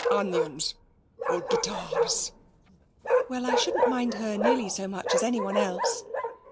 Onions or guitars.' 'Well, I shouldn't mind her nearly so much as anyone else.'